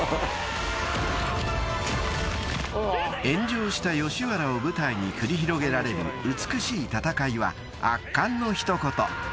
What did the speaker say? ［炎上した吉原を舞台に繰り広げられる美しい戦いは圧巻の一言］